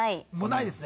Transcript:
ないですね。